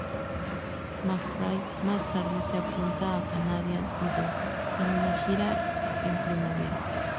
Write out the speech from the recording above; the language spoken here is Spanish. McBride más tarde se apuntó a "Canadian Idol" en una gira en primavera.